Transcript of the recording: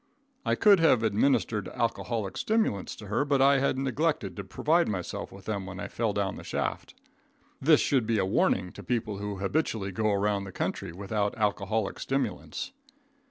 I could have administered alcoholic stimulants to her but I had neglected to provide myself with them when I fell down the shaft. This should be a warning to people who habitually go around the country without alcoholic stimulants.